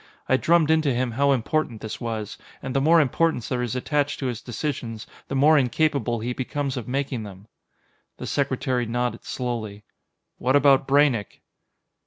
I drummed into him how important this was, and the more importance there is attached to his decisions, the more incapable he becomes of making them." The Secretary nodded slowly. "What about Braynek?"